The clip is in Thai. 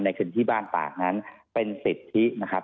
ในพื้นที่บ้านตากนั้นเป็นสิทธินะครับ